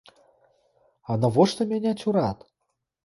А навошта мяняць урад?